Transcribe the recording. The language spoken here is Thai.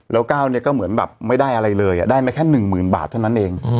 แล้วก้าวเนี่ยก็เหมือนแบบไม่ได้อะไรเลยได้มาแค่๑๐๐๐บาทเท่านั้นเอง